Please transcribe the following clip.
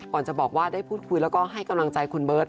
จะบอกว่าได้พูดคุยแล้วก็ให้กำลังใจคุณเบิร์ต